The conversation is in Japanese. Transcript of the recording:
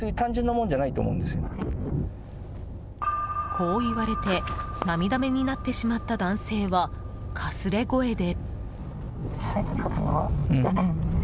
こう言われて涙目になってしまった男性はかすれ声で。